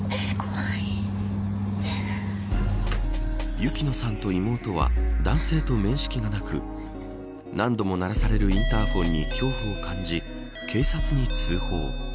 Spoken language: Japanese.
雪乃さんと妹は男性と面識がなく何度も鳴らされるインターホンに恐怖を感じ警察に通報。